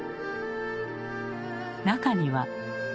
中には。